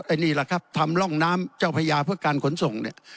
อันนี้แหละครับทำร่องน้ำเจ้าพญาเพื่อการขนส่งเนี่ย